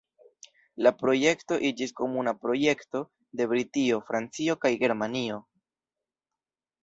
La projekto iĝis komuna projekto de Britio, Francio, kaj Germanio.